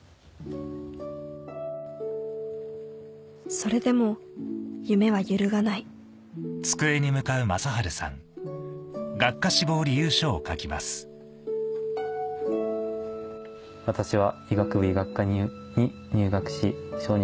それでも夢は揺るがない今度は。